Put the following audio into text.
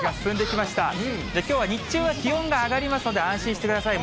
きょうは日中は気温が上がりますので、安心してください。